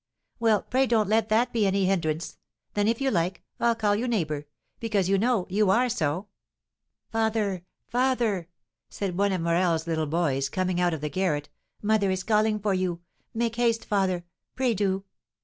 "Well, pray don't let that be any hindrance; then, if you like, I'll call you 'neighbour,' because, you know, you are so." "Father! father!" said one of Morel's little boys, coming out of the garret, "mother is calling for you! Make haste, father, pray do!"